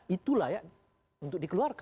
itu layak untuk dikeluarkan